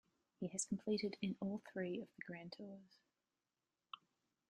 He has competed in all three of the Grand Tours.